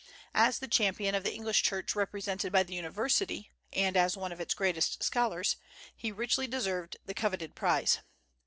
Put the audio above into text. As the champion of the English Church represented by the University, and as one of its greatest scholars, he richly deserved the coveted prize.